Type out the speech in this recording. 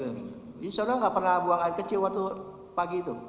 jadi saudara gak pernah buang air kecil waktu pagi itu